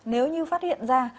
nếu như phát hiện ra